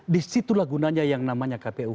disitulah gunanya yang namanya kpu